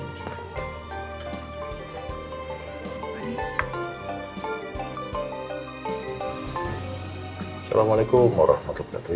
assalamualaikum warahmatullahi wabarakatuh